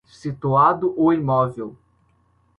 situado o imóvel